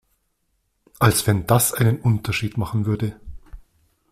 Als wenn das einen Unterschied machen würde!